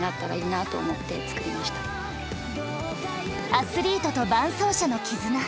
アスリートと伴走者のキズナ。